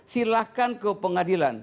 silahkan ke pengadilan